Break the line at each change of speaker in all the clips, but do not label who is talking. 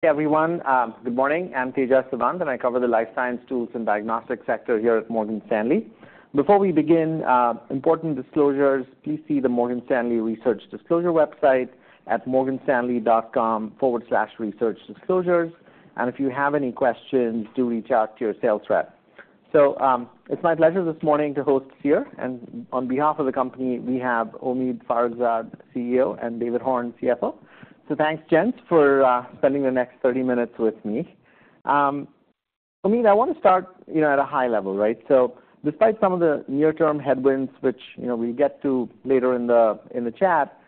Hey, everyone. Good morning. I'm Tejas Savant, and I cover the Life Science Tools and Diagnostics sector here at Morgan Stanley. Before we begin, important disclosures, please see the Morgan Stanley Research Disclosure website at morganstanley.com/researchdisclosures. And if you have any questions, do reach out to your sales rep. It's my pleasure this morning to host Seer, and on behalf of the company, we have Omid Farokhzad, CEO, and David Horn, CFO. Thanks, gents, for spending the next 30 minutes with me. Omid, I want to start, you know, at a high level, right? Despite some of the near-term headwinds which, you know, we'll get to later in the chat,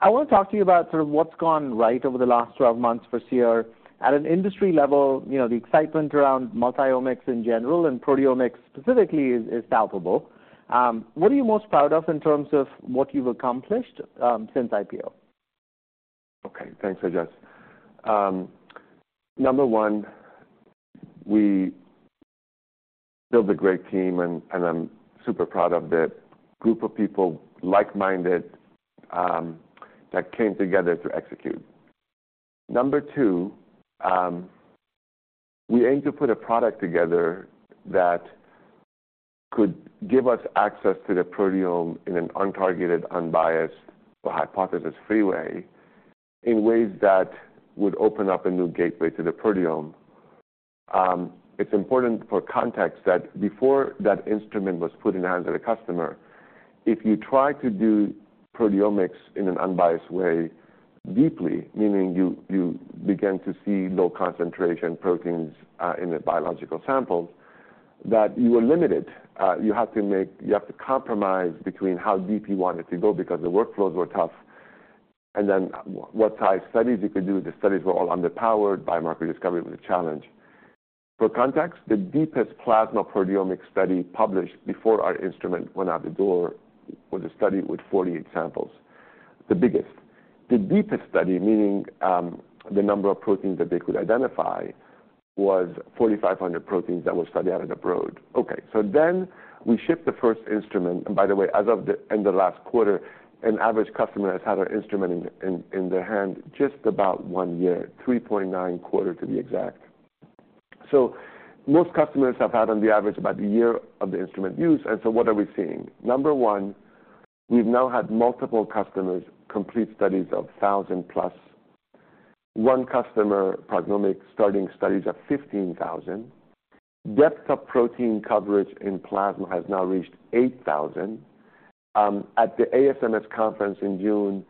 I want to talk to you about sort of what's gone right over the last 12 months for Seer. At an industry level, you know, the excitement around multi-omics in general, and proteomics specifically is palpable. What are you most proud of in terms of what you've accomplished since IPO?
Okay. Thanks, Tejas. Number one, we built a great team, and, and I'm super proud of the group of people, like-minded, that came together to execute. Number two, we aim to put a product together that could give us access to the proteome in an untargeted, unbiased, or hypothesis-free way, in ways that would open up a new gateway to the proteome. It's important for context that before that instrument was put in the hands of the customer, if you try to do proteomics in an unbiased way, deeply, meaning you, you begin to see low concentration proteins in the biological samples, that you are limited. You have to make... You have to compromise between how deep you want it to go because the workflows were tough. And then what type of studies you could do, the studies were all underpowered. Biomarker discovery was a challenge. For context, the deepest plasma proteomic study published before our instrument went out the door was a study with 48 samples, the biggest. The deepest study, meaning the number of proteins that they could identify, was 4,500 proteins that were studied out of the Broad. Okay, so then we shipped the first instrument. By the way, as of the end of last quarter, an average customer has had our instrument in their hand just about one year, 3.9 quarters, to be exact. So most customers have had, on the average, about a year of the instrument use. So what are we seeing? Number one, we've now had multiple customers complete studies of 1,000+. One customer, PrognomiQ, starting studies of 15,000. Depth of protein coverage in plasma has now reached 8,000. At the ASMS Conference in June,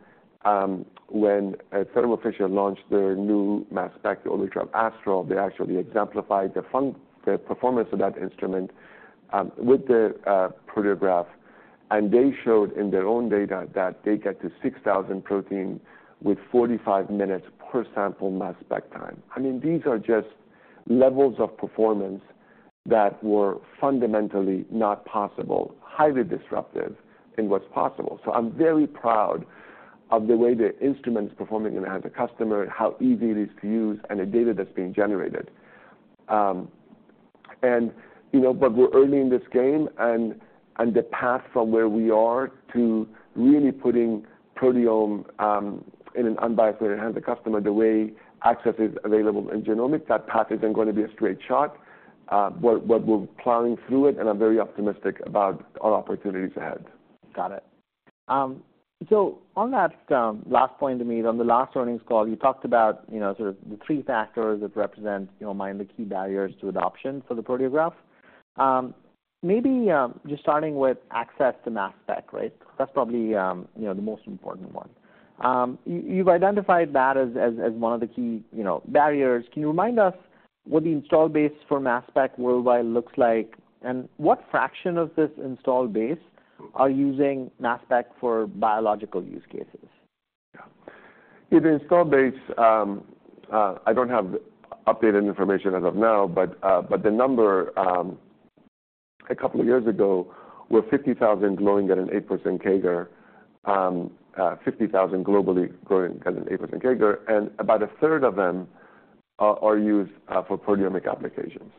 when a federal official launched their new mass spec, the Orbitrap Astral, they actually exemplified the performance of that instrument with the Proteograph. And they showed in their own data that they get to 6,000 protein with 45 minutes per sample mass spec time. I mean, these are just levels of performance that were fundamentally not possible, highly disruptive in what's possible. So I'm very proud of the way the instrument is performing in the hands of customer, how easy it is to use, and the data that's being generated. And, you know, but we're early in this game and the path from where we are to really putting proteome in an unbiased way to have the customer, the way access is available in genomics, that path isn't going to be a straight shot. But we're plowing through it, and I'm very optimistic about our opportunities ahead.
Got it. So on that last point, Omid, on the last earnings call, you talked about, you know, sort of the three factors that represent, you know, the key barriers to adoption for the Proteograph. Maybe just starting with access to mass spec, right? That's probably, you know, the most important one. You've identified that as one of the key, you know, barriers. Can you remind us what the install base for mass spec worldwide looks like, and what fraction of this install base are using mass spec for biological use cases?
Yeah. In install base, I don't have the updated information as of now, but, but the number, a couple of years ago were 50,000, growing at an 8% CAGR, 50,000 globally, growing at an 8% CAGR, and about 1/3 of them are used for proteomic applications.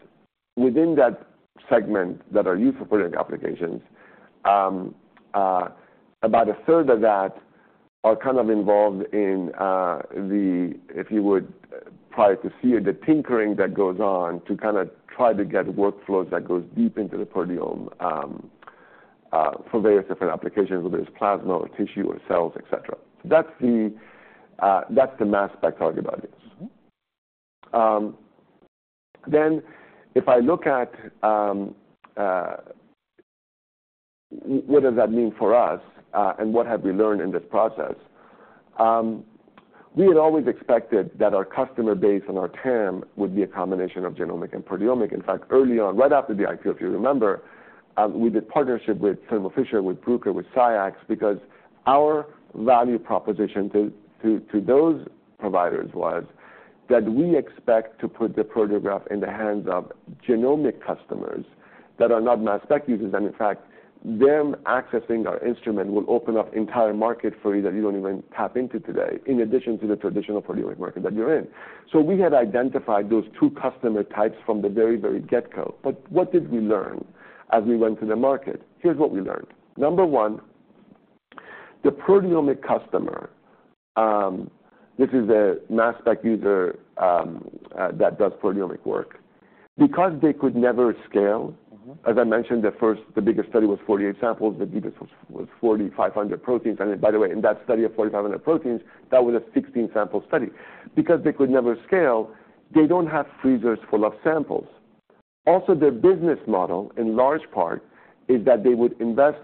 Within that segment that are used for proteomic applications, about a third of that are kind of involved in the. If you would try to see it, the tinkering that goes on to kind of try to get workflows that goes deep into the proteome, for various different applications, whether it's plasma or tissue or cells, et cetera. That's the mass spec target audience.
Mm-hmm.
Then, if I look at what does that mean for us, and what have we learned in this process? We had always expected that our customer base and our term would be a combination of genomic and proteomic. In fact, early on, right after the IPO, if you remember, we did partnership with Thermo Fisher, with Bruker, with SCIEX, because our value proposition to, to, to those providers was that we expect to put the Proteograph in the hands of genomic customers that are not mass spec users. And in fact, them accessing our instrument will open up entire market for you, that you don't even tap into today, in addition to the traditional proteomic market that you're in. So we had identified those two customer types from the very, very get-go. But what did we learn as we went to the market? Here's what we learned. Number one, the proteomic customer. This is a mass spec user, that does proteomic work because they could never scale.
Mm-hmm.
As I mentioned, the first, the biggest study was 48 samples, the deepest was 4,500 proteins. And by the way, in that study of 4,500 proteins, that was a 16-sample study. Because they could never scale, they don't have freezers full of samples. Also, their business model, in large part, is that they would invest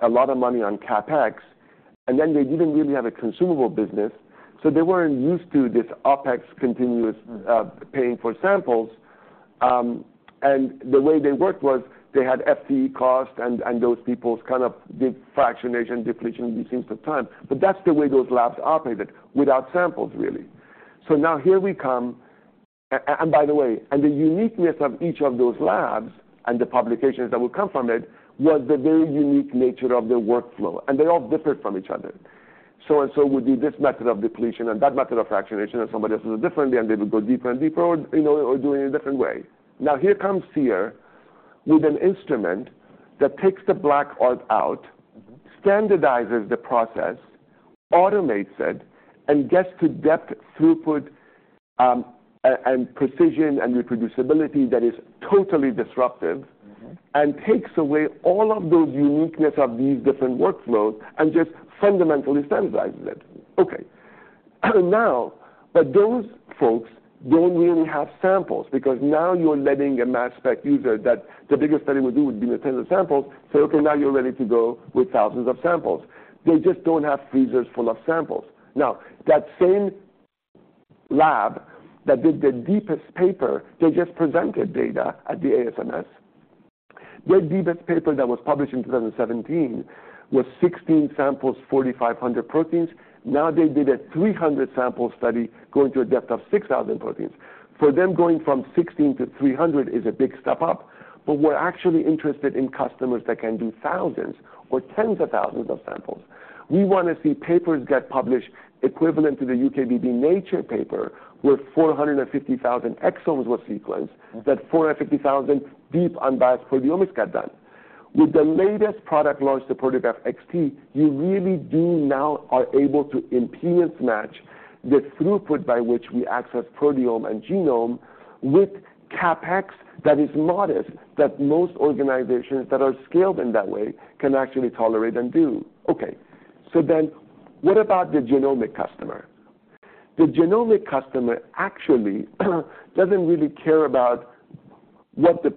a lot of money on CapEx, and then they didn't really have a consumable business, so they weren't used to this OpEx continuous paying for samples. And the way they worked was they had FTE costs and those people's kind of did fractionation, depletion, these things for time. But that's the way those labs operated, without samples, really. So now here we come. And by the way, the uniqueness of each of those labs and the publications that would come from it was the very unique nature of their workflow, and they all differed from each other. So and so would be this method of depletion and that method of fractionation, and somebody else does it differently, and they would go deeper and deeper or, you know, or do it in a different way. Now, here comes here with an instrument that takes the black art out, standardizes the process, automates it, and gets to depth, throughput, and precision and reproducibility that is totally disruptive.
Mm-hmm.
And takes away all of those uniqueness of these different workflows and just fundamentally standardizes it. Okay. Now, but those folks don't really have samples, because now you're letting a mass spec user that the biggest study would do would be in the tens of samples. So okay, now you're ready to go with thousands of samples. They just don't have freezers full of samples. Now, that same lab that did the deepest paper, they just presented data at the ASMS. Their deepest paper that was published in 2017 was 16 samples, 4,500 proteins. Now, they did a 300-sample study going to a depth of 6,000 proteins. For them, going from 16 to 300 is a big step up, but we're actually interested in customers that can do thousands or tens of thousands of samples. We wanna see papers get published equivalent to the UKB Nature paper, where 450,000 exomes were sequenced.
Mm.
That 450,000 deep unbiased proteomics got done. With the latest product launch, the Proteograph XT, you really do now are able to impedance match the throughput by which we access proteome and genome with CapEx that is modest, that most organizations that are scaled in that way can actually tolerate and do. Okay, so then what about the genomic customer? The genomic customer actually, doesn't really care about what the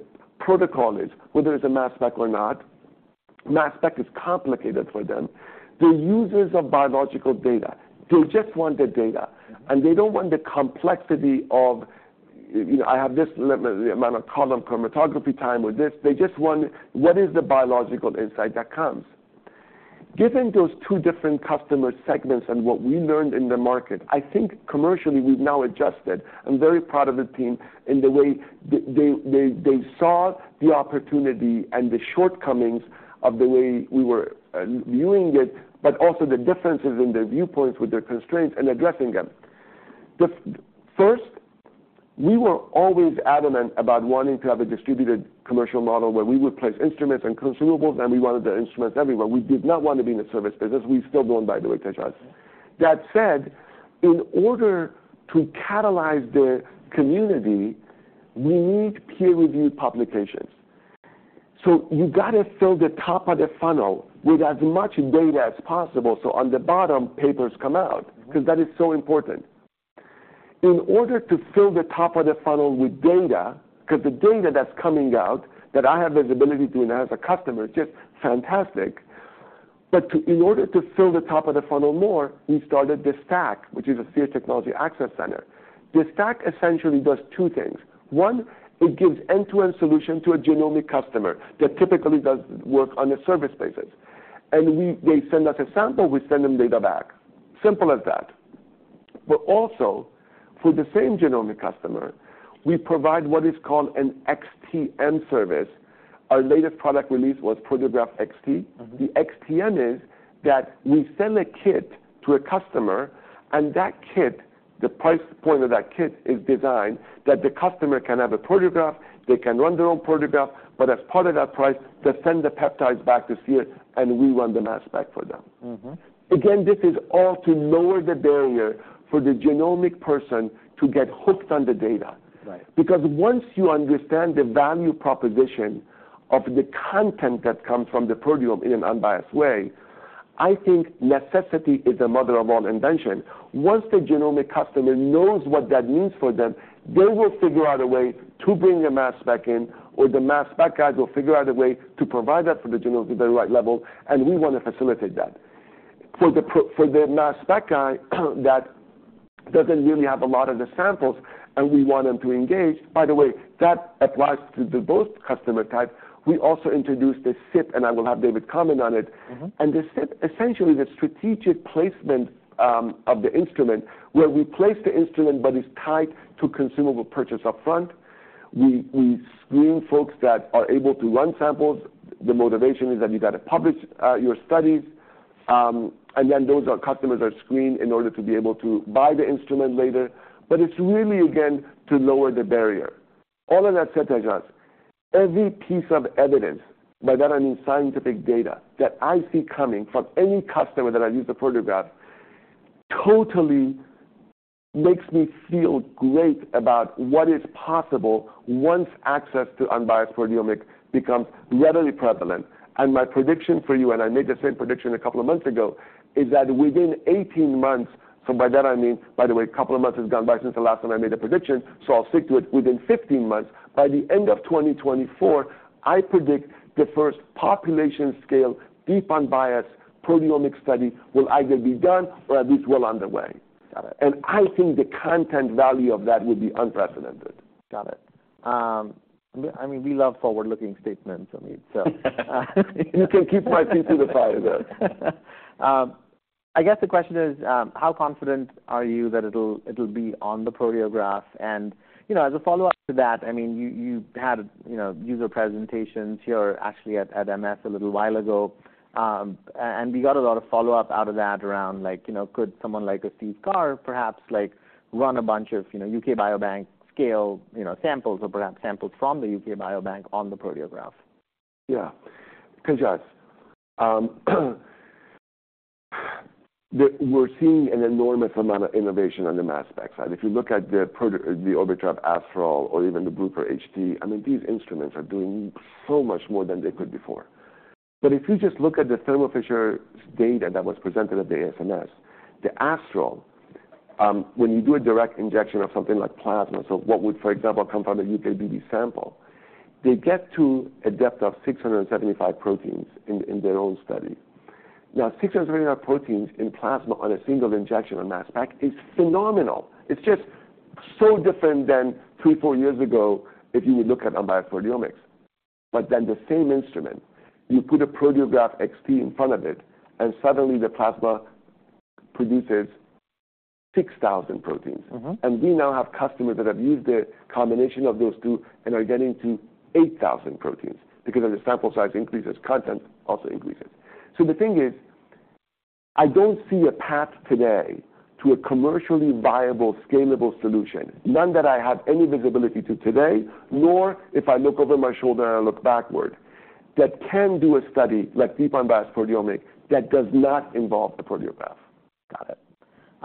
protocol is, whether it's a mass spec or not. Mass spec is complicated for them. They're users of biological data. They just want the data.
Mm.
They don't want the complexity of, you know, I have this limit, the amount of column chromatography time or this. They just want what is the biological insight that comes. Given those two different customer segments and what we learned in the market, I think commercially, we've now adjusted. I'm very proud of the team in the way they saw the opportunity and the shortcomings of the way we were viewing it, but also the differences in their viewpoints with their constraints and addressing them. The first, we were always adamant about wanting to have a distributed commercial model where we would place instruments and consumables, and we wanted the instruments everywhere. We did not want to be in the service business. We still don't, by the way, Tejas.
Mm.
That said, in order to catalyze the community, we need peer-reviewed publications. So you gotta fill the top of the funnel with as much data as possible, so on the bottom, papers come out.
Mm.
Because that is so important. In order to fill the top of the funnel with data, 'cause the data that's coming out, that I have visibility to, and as a customer, it's just fantastic. But to fill the top of the funnel more, we started the STAC, which is a Seer Technology Access Center. The STAC essentially does two things: One, it gives end-to-end solution to a genomic customer that typically does work on a service basis. And they send us a sample, we send them data back. Simple as that. But also, for the same genomic customer, we provide what is called an XTM service. Our latest product release was Proteograph XT.
Mm-hmm.
The XTM is that we sell a kit to a customer, and that kit, the price point of that kit is designed that the customer can have a Proteograph, they can run their own Proteograph, but as part of that price, they send the peptides back to Seer, and we run the mass spec for them.
Mm-hmm.
Again, this is all to lower the barrier for the genomic person to get hooked on the data.
Right.
Because once you understand the value proposition of the content that comes from the proteome in an unbiased way, I think necessity is the mother of all invention. Once the genomic customer knows what that means for them, they will figure out a way to bring a mass spec in, or the mass spec guys will figure out a way to provide that for the genomics at the right level, and we wanna facilitate that. For the mass spec guy that doesn't really have a lot of the samples, and we want them to engage. By the way, that applies to both customer types. We also introduced the SIP, and I will have David comment on it.
Mm-hmm.
And the SIP, essentially the strategic placement, of the instrument, where we place the instrument, but it's tied to consumable purchase upfront. We screen folks that are able to run samples. The motivation is that you gotta publish your studies. And then those customers are screened in order to be able to buy the instrument later. But it's really, again, to lower the barrier. All of that said, Tejas, every piece of evidence, by that I mean scientific data, that I see coming from any customer that I use the Proteograph, totally makes me feel great about what is possible once access to unbiased proteomics becomes readily prevalent. My prediction for you, and I made the same prediction a couple of months ago, is that within 18 months, so by that I mean, by the way, a couple of months has gone by since the last time I made a prediction, so I'll stick to it. Within 15 months, by the end of 2024, I predict the first population-scale, deep, unbiased proteomic study will either be done or at least well underway.
Got it.
I think the content value of that will be unprecedented.
Got it. I mean, we love forward-looking statements, I mean, so.
You can keep my feet to the fire there.
I guess the question is, how confident are you that it'll be on the Proteograph? And, you know, as a follow-up to that, I mean, you had, you know, user presentations here, actually, at ASMS a little while ago. And we got a lot of follow-up out of that around, like, you know, could someone like a Steve Carr perhaps, like, run a bunch of, you know, UK Biobank scale, you know, samples or perhaps samples from the UK Biobank on the Proteograph?
Yeah. We're seeing an enormous amount of innovation on the mass spec side. If you look at the Orbitrap Astral or even the Bruker HT, I mean, these instruments are doing so much more than they could before. But if you just look at the Thermo Fisher data that was presented at the ASMS, the Astral, when you do a direct injection of something like plasma, so what would, for example, come from a UKB sample, they get to a depth of 675 proteins in their own study. Now, 6,000 proteins in plasma on a single injection of mass spec is phenomenal. It's just so different than three, four years ago if you would look at unbiased proteomics. But then the same instrument, you put a Proteograph XT in front of it, and suddenly the plasma produces 6,000 proteins.
Mm-hmm.
We now have customers that have used a combination of those two and are getting to 8,000 proteins because as the sample size increases, content also increases. So the thing is, I don't see a path today to a commercially viable, scalable solution, none that I have any visibility to today, nor if I look over my shoulder and I look backward, that can do a study like deep unbiased proteomics, that does not involve the Proteograph.
Got it.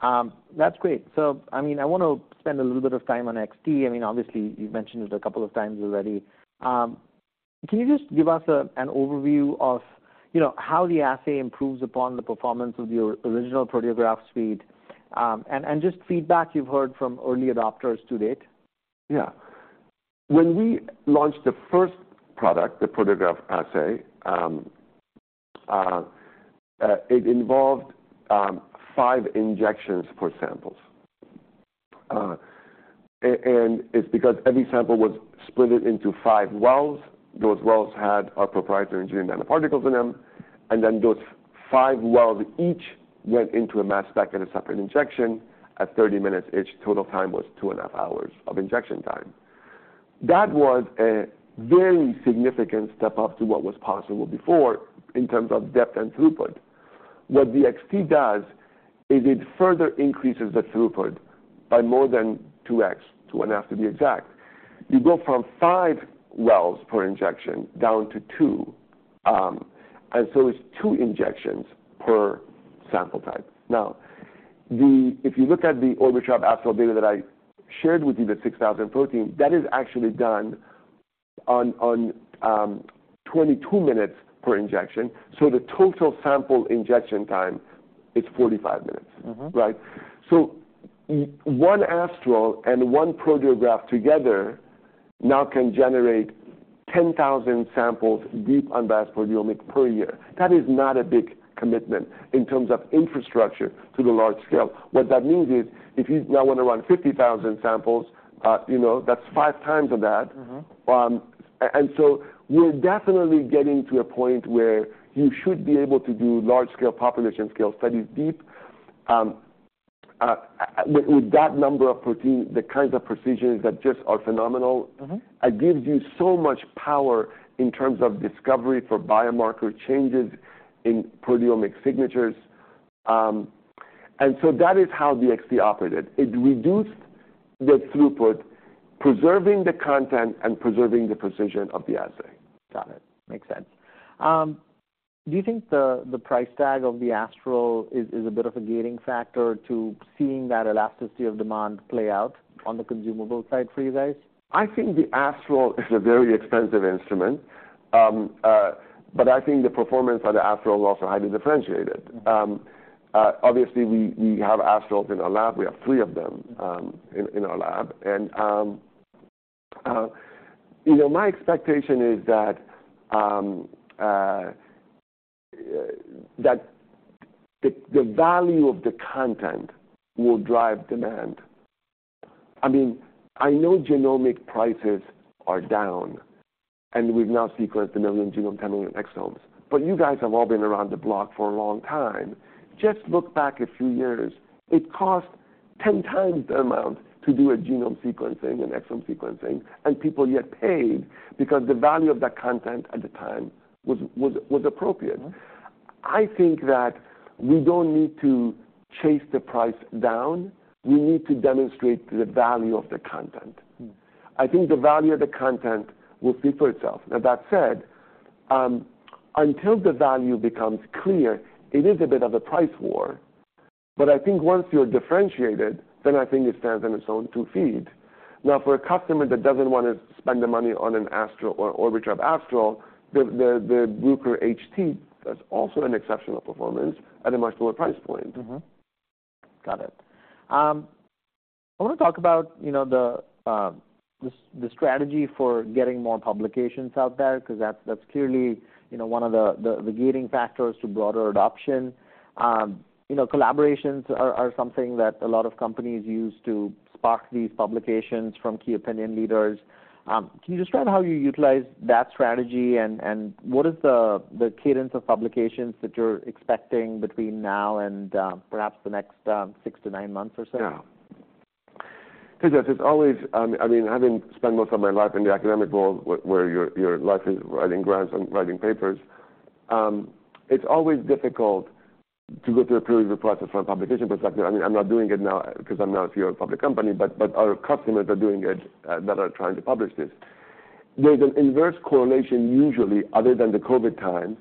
That's great. So, I mean, I want to spend a little bit of time on XT. I mean, obviously, you've mentioned it a couple of times already. Can you just give us a, an overview of, you know, how the assay improves upon the performance of your original Proteograph suite, and just feedback you've heard from early adopters to date?
Yeah. When we launched the first product, the Proteograph Assay, it involved five injections per samples. It's because every sample was split into five wells. Those wells had our proprietary engineered nanoparticles in them, and then those five wells each went into a mass spec and a separate injection at 30 minutes, each total time was 2.5 hours of injection time. That was a very significant step up to what was possible before in terms of depth and throughput. What the XT does is it further increases the throughput by more than 2x, 2.5x, to be exact. You go from five wells per injection down to two, and so it's two injections per sample type. Now, the... If you look at the Orbitrap Astral data that I shared with you, the 6,000 protein, that is actually done on 22 minutes per injection, so the total sample injection time is 45 minutes.
Mm-hmm.
Right? So one Astral and one Proteograph together now can generate 10,000 samples, deep unbiased proteomics per year. That is not a big commitment in terms of infrastructure to the large scale. What that means is, if you now want to run 50,000 samples, you know, that's five times of that.
Mm-hmm.
We're definitely getting to a point where you should be able to do large scale, population scale studies deep with that number of proteins, the kinds of procedures that just are phenomenal.
Mm-hmm.
It gives you so much power in terms of discovery for biomarker changes in proteomic signatures. And so that is how the XT operated. It reduced the throughput, preserving the content and preserving the precision of the assay.
Got it. Makes sense. Do you think the price tag of the Astral is a bit of a gating factor to seeing that elasticity of demand play out on the consumable side for you guys?
I think the Astral is a very expensive instrument. But I think the performance of the Astral is also highly differentiated. Obviously, we have Astrals in our lab. We have three of them in our lab. And you know, my expectation is that the value of the content will drive demand. I mean, I know genomic prices are down, and we've now sequenced 1 million genomes, 10 million exomes, but you guys have all been around the block for a long time. Just look back a few years. It cost 10x the amount to do a genome sequencing, an exome sequencing, and people yet paid because the value of that content at the time was appropriate. I think that we don't need to chase the price down. We need to demonstrate the value of the content. I think the value of the content will speak for itself. Now, that said, until the value becomes clear, it is a bit of a price war. But I think once you're differentiated, then I think it stands on its own two feet. Now, for a customer that doesn't want to spend the money on an Astral or Orbitrap Astral, the Bruker HT, that's also an exceptional performance at a much lower price point.
Mm-hmm. Got it. I want to talk about, you know, the strategy for getting more publications out there, 'cause that's clearly, you know, one of the gating factors to broader adoption. You know, collaborations are something that a lot of companies use to spark these publications from key opinion leaders. Can you describe how you utilize that strategy? And what is the cadence of publications that you're expecting between now and, perhaps the next, six to nine months or so?
Yeah. Tejas, it's always, I mean, having spent most of my life in the academic world, where your life is writing grants and writing papers, it's always difficult to go through a peer review process from a publication perspective. I mean, I'm not doing it now, because I'm now CEO of a public company, but our customers are doing it, that are trying to publish this. There's an inverse correlation, usually, other than the COVID time,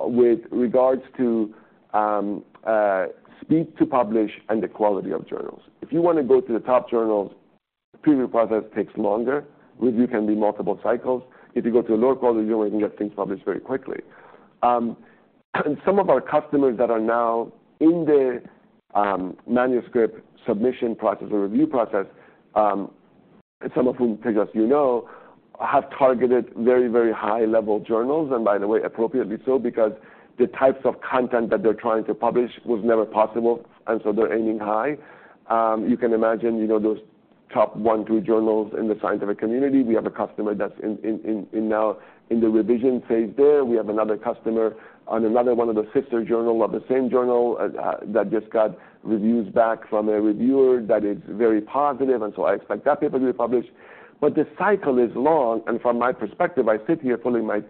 with regards to, speed to publish and the quality of journals. If you want to go to the top journals, the peer review process takes longer, review can be multiple cycles. If you go to a lower quality journal, you can get things published very quickly. Some of our customers that are now in the manuscript submission process or review process, some of whom, Tejas, you know, have targeted very, very high-level journals, and by the way, appropriately so, because the types of content that they're trying to publish was never possible, and so they're aiming high. You can imagine, you know, those top one, two journals in the scientific community. We have a customer that's now in the revision phase there. We have another customer on another one of the sister journal of the same journal that just got reviews back from a reviewer that is very positive, and so I expect that paper to be published. But the cycle is long, and from my perspective, I sit here pulling my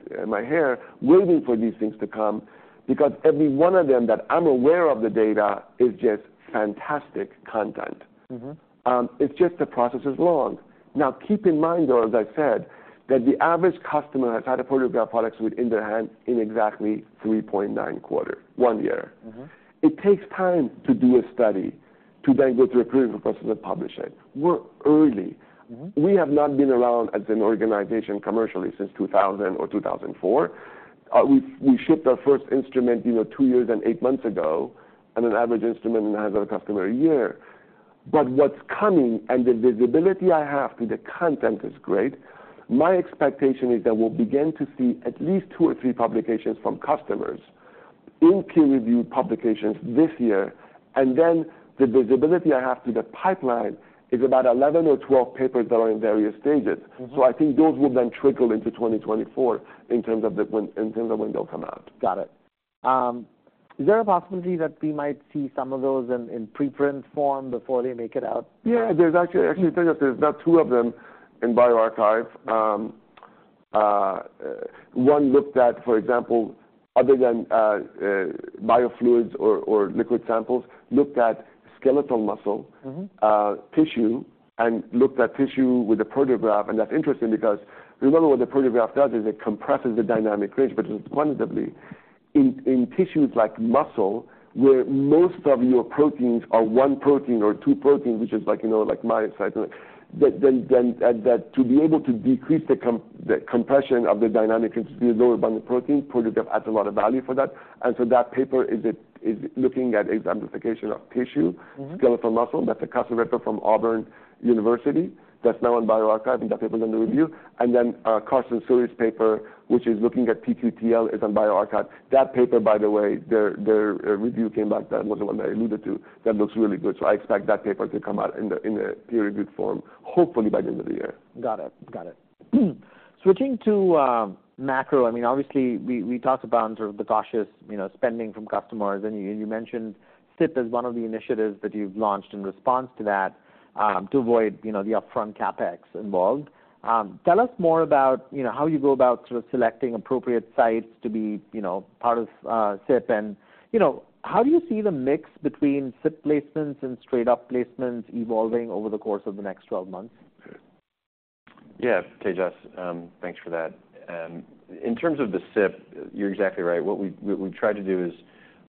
hair, waiting for these things to come, because every one of them that I'm aware of the data is just fantastic content.
Mm-hmm.
It's just the process is long. Now, keep in mind, though, as I said, that the average customer has had a Proteograph products within their hand in exactly 3.9 quarters, one year.
Mm-hmm.
It takes time to do a study, to then go through a peer review process and publish it. We're early.
Mm-hmm.
We have not been around as an organization commercially since 2000 or 2004. We shipped our first instrument, you know, two years and eight months ago, and an average instrument has our customer a year. But what's coming, and the visibility I have to the content is great. My expectation is that we'll begin to see at least two or three publications from customers in peer review publications this year. And then the visibility I have to the pipeline is about 11 or 12 papers that are in various stages.
Mm-hmm.
So I think those will then trickle into 2024 in terms of when they'll come out.
Got it. Is there a possibility that we might see some of those in preprint form before they make it out?
Yeah. There's actually, actually, Tejas, there's about two of them in bioRxiv. One looked at, for example, other than biofluids or liquid samples, looked at skeletal muscle.
Mm-hmm.
Tissue and looked at tissue with a Proteograph. That's interesting because remember, what the Proteograph does is it compresses the dynamic range, but it's quantitative. In tissues like muscle, where most of your proteins are one protein or two proteins, which is like, you know, like myosin. But then and that to be able to decrease the compression of the dynamic range is the lower bound of protein, Proteograph adds a lot of value for that. So that paper is looking at amplification of tissue.
Mm-hmm.
Skeletal muscle. That's a customer paper from Auburn University that's now on bioRxiv, and that paper is under review. And then, Karsten Suhre's paper, which is looking at pQTL, is on bioRxiv. That paper, by the way, their review came back. That was the one that I alluded to. That looks really good, so I expect that paper to come out in a peer-reviewed form, hopefully by the end of the year.
Got it. Got it. Switching to macro. I mean, obviously, we talked about sort of the cautious, you know, spending from customers, and you mentioned SIP as one of the initiatives that you've launched in response to that, to avoid, you know, the upfront CapEx involved. Tell us more about, you know, how you go about sort of selecting appropriate sites to be, you know, part of SIP. And, you know, how do you see the mix between SIP placements and straight-up placements evolving over the course of the next 12 months?
Yeah. Tejas, thanks for that. In terms of the SIP, you're exactly right. What we, what we try to do is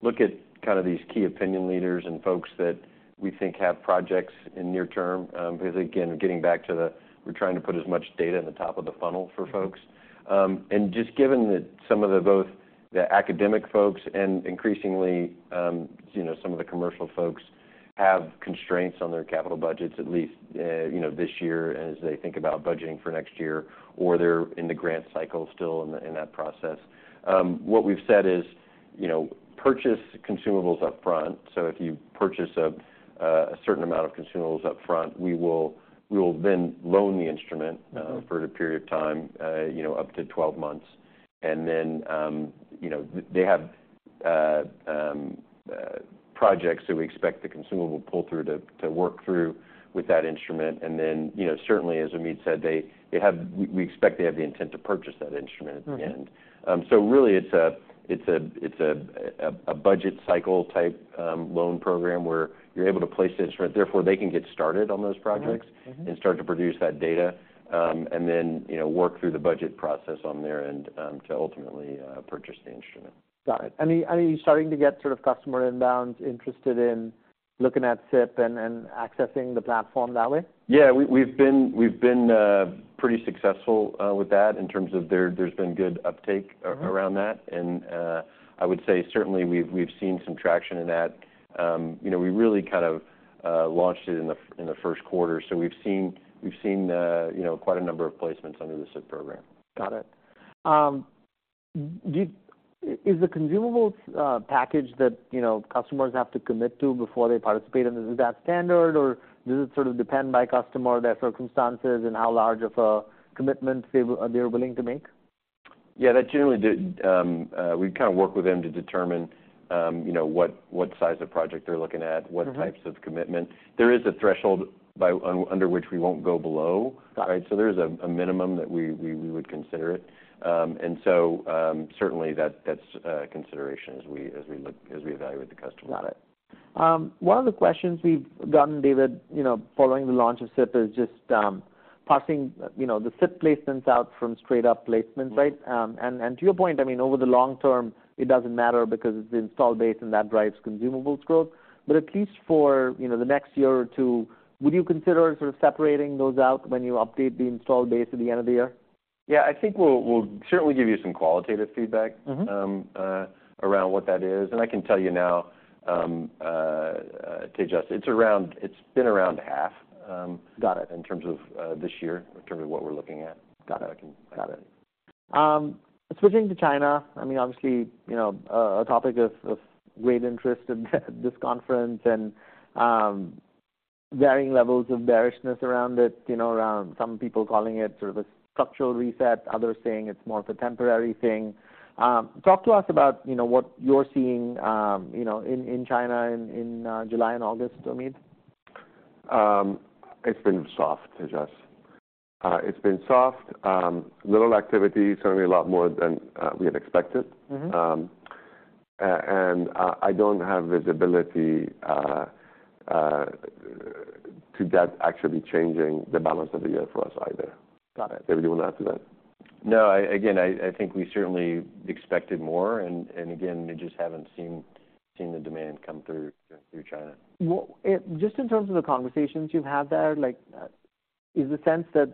look at kind of these key opinion leaders and folks that we think have projects in near term, because, again, getting back to the... We're trying to put as much data in the top of the funnel for folks. And just given that some of the, both the academic folks and increasingly, you know, some of the commercial folks, have constraints on their capital budgets, at least, you know, this year, as they think about budgeting for next year, or they're in the grant cycle, still in the- in that process. What we've said is, you know, purchase consumables upfront. So if you purchase a certain amount of consumables upfront, we will then loan the instrument for a period of time, you know, up to 12 months. And then, you know, they have projects that we expect the consumable pull-through to work through with that instrument. And then, you know, certainly, as Omid said, we expect they have the intent to purchase that instrument at the end.
Mm-hmm.
So really, it's a budget cycle-type loan program where you're able to place the instrument. Therefore, they can get started on those projects.
Right. Mm-hmm.
And start to produce that data, and then, you know, work through the budget process on their end, to ultimately purchase the instrument.
Got it. And are you starting to get sort of customer inbounds interested in looking at SIP and accessing the platform that way?
Yeah. We've been pretty successful with that in terms of there's been good uptake.
Mm-hmm.
Around that. I would say certainly we've seen some traction in that. You know, we really kind of launched it in the first quarter, so we've seen you know, quite a number of placements under the SIP program.
Got it. Do you... Is the consumable package that, you know, customers have to commit to before they participate, and is that standard, or does it sort of depend by customer, their circumstances, and how large of a commitment they were, they are willing to make?
Yeah. That generally we kind of work with them to determine, you know, what size of project they're looking at-
Mm-hmm.
What types of commitment. There is a threshold under which we won't go below.
Got it.
Right? So there's a minimum that we would consider it. And so, certainly that's considerations as we look as we evaluate the customer.
Got it. One of the questions we've gotten, David, you know, following the launch of SIP is just, passing, you know, the SIP placements out from straight-up placements, right?
Mm-hmm.
And to your point, I mean, over the long term, it doesn't matter because it's the install base, and that drives consumable growth. But at least for, you know, the next year or two, would you consider sort of separating those out when you update the install base at the end of the year?
Yeah. I think we'll certainly give you some qualitative feedback.
Mm-hmm.
Around what that is. And I can tell you now, Tejas, it's around, it's been around half.
Got it.
In terms of, this year, in terms of what we're looking at.
Got it.
I can...
Got it. Switching to China, I mean, obviously, you know, a topic of great interest at this conference, and varying levels of bearishness around it, you know, around some people calling it sort of a structural reset, others saying it's more of a temporary thing. Talk to us about, you know, what you're seeing, you know, in China in July and August, Omid.
It's been soft, Tejas. It's been soft, little activity, certainly a lot more than we had expected.
Mm-hmm.
I don't have visibility to that actually changing the balance of the year for us either.
Got it.
David, you want to add to that?
No, again, I think we certainly expected more, and again, we just haven't seen the demand come through China.
Well, just in terms of the conversations you've had there, like, is the sense that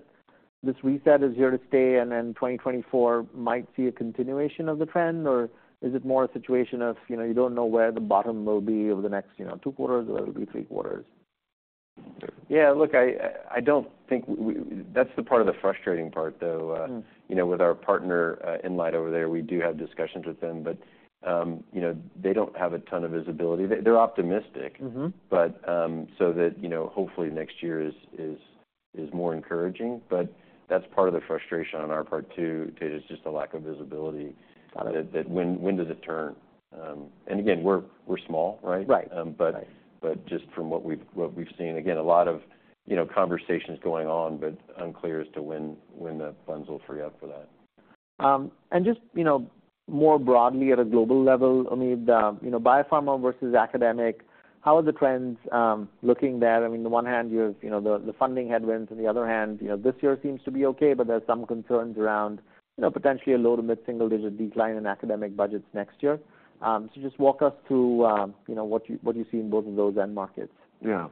this reset is here to stay, and then 2024 might see a continuation of the trend, or is it more a situation of, you know, you don't know where the bottom will be over the next, you know, two quarters or it'll be three quarters?
Yeah. Look, I don't think we... That's the part of the frustrating part, though.
Mm.
You know, with our partner, Enlight over there, we do have discussions with them, but, you know, they don't have a ton of visibility. They, they're optimistic.
Mm-hmm.
But, so that, you know, hopefully next year is more encouraging. But that's part of the frustration on our part, too, is just a lack of visibility.
Got it.
That when does it turn? And again, we're small, right?
Right.
Um, but-
Right.
But just from what we've seen, again, a lot of, you know, conversations going on, but unclear as to when the funds will free up for that.
And just, you know, more broadly at a global level, Omid, you know, biopharma versus academic, how are the trends looking there? I mean, the one hand, you have, you know, the, the funding headwinds, and the other hand, you know, this year seems to be okay, but there are some concerns around, you know, potentially a little bit single-digit decline in academic budgets next year. So just walk us through, you know, what you, what you see in both of those end markets.
Yeah.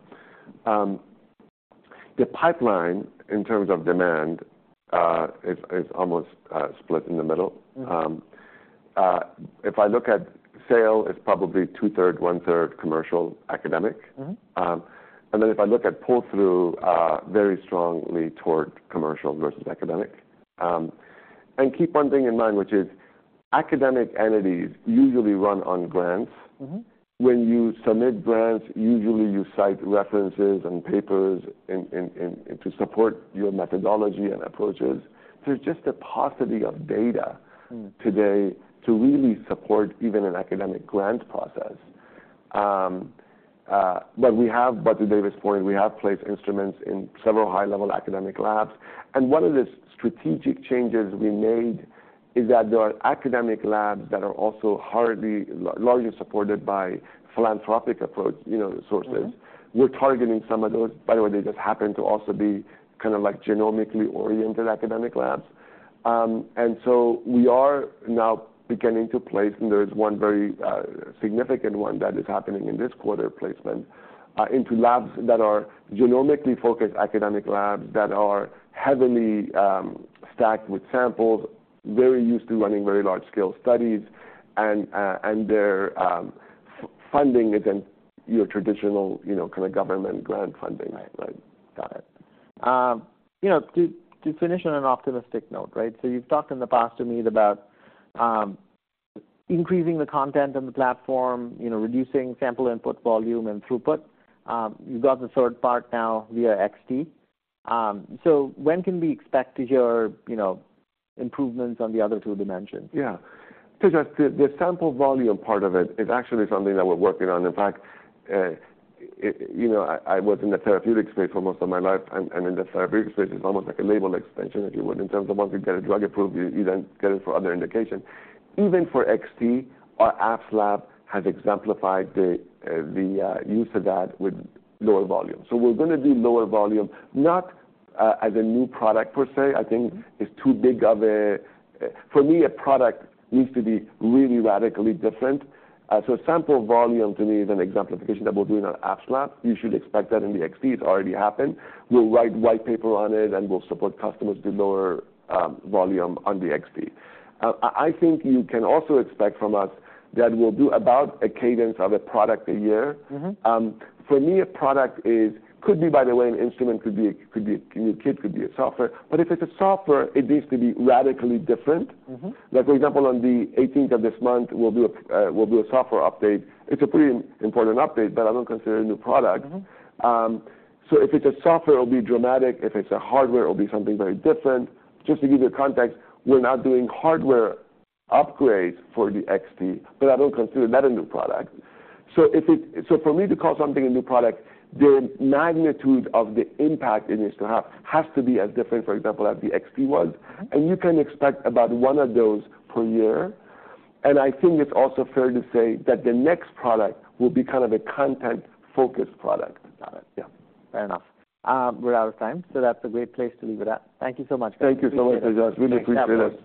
The pipeline in terms of demand is almost split in the middle.
Mm.
If I look at sales, it's probably 2/3. 1/3 commercial, academic.
Mm-hmm.
Then if I look at pull-through, very strongly toward commercial versus academic. Keep one thing in mind, which is academic entities usually run on grants.
Mm-hmm.
When you submit grants, usually you cite references and papers in to support your methodology and approaches. There's just a paucity of data-
Mm,
Today to really support even an academic grant process. But as David pointed, we have placed instruments in several high-level academic labs. One of the strategic changes we made is that there are academic labs that are also largely supported by philanthropic approach, you know, sources.
Mm-hmm.
We're targeting some of those. By the way, they just happen to also be kind of like genomically oriented academic labs. And so we are now beginning to place, and there is one very significant one that is happening in this quarter placement into labs that are genomically focused academic labs that are heavily stacked with samples, very used to running very large-scale studies, and their funding isn't your traditional, you know, kind of government grant funding.
Right. Right. Got it. You know, to finish on an optimistic note, right? So you've talked in the past, Omid, about increasing the content on the platform, you know, reducing sample input volume and throughput. So when can we expect to hear, you know, improvements on the other two dimensions?
Yeah. Tejas, the sample volume part of it is actually something that we're working on. In fact, it, you know, I was in the therapeutic space for most of my life, and in the therapeutic space, it's almost like a label extension, if you would, in terms of once you get a drug approved, you then get it for other indications. Even for XT, our apps lab has exemplified the use of that with lower volume. So we're gonna do lower volume, not as a new product per se. I think it's too big of a... For me, a product needs to be really radically different. So sample volume to me is an exemplification that we're doing on apps lab. You should expect that in the XT. It's already happened. We'll write white paper on it, and we'll support customers to lower volume on the XT. I think you can also expect from us that we'll do about a cadence of a product a year.
Mm-hmm.
For me, a product is, could be, by the way, an instrument, could be a new kit, could be software. But if it's software, it needs to be radically different.
Mm-hmm.
Like, for example, on the 18th of this month, we'll do a software update. It's a pretty important update, but I don't consider it a new product.
Mm-hmm.
So if it's a software, it'll be dramatic. If it's a hardware, it'll be something very different. Just to give you context, we're now doing hardware upgrades for the XT, but I don't consider that a new product. So for me to call something a new product, the magnitude of the impact it needs to have, has to be as different, for example, as the XT was.
Mm-hmm.
You can expect about one of those per year. I think it's also fair to say that the next product will be kind of a content-focused product.
Got it.
Yeah.
Fair enough. We're out of time, so that's a great place to leave it at. Thank you so much.
Thank you so much, Tejas. Really appreciate it.